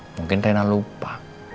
mungkin rena lupa